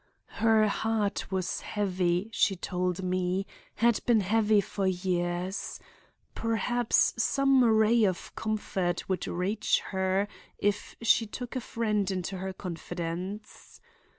"Her heart was heavy, she told me; had been heavy for years. Perhaps some ray of comfort would reach her if she took a friend into her confidence.